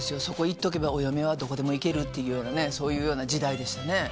そこ行っとけばお嫁はどこでもいけるっていうそういうような時代でしたね